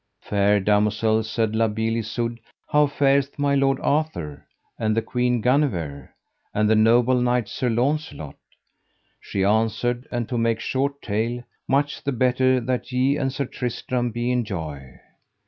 Fair damosel, said La Beale Isoud, how fareth my Lord Arthur, and the Queen Guenever, and the noble knight, Sir Launcelot? She answered, and to make short tale: Much the better that ye and Sir Tristram be in joy.